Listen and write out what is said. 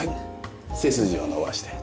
背筋を伸ばして。